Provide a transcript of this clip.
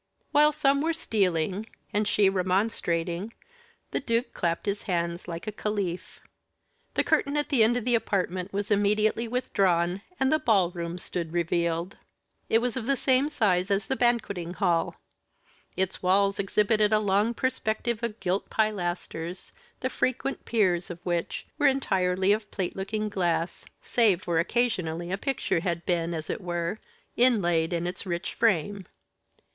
While some were stealing, and she remonstrating, the duke clapped his hands like a caliph. The curtain at the end of the apartment was immediately withdrawn and the ball room stood revealed. It was of the same size as the banqueting hall. Its walls exhibited a long perspective of gilt pilasters, the frequent piers of which were entirely of plate looking glass, save where occasionally a picture had been, as it were, inlaid in its rich frame.